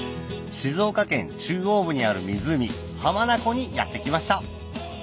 静岡県中央部にある湖浜名湖にやって来ました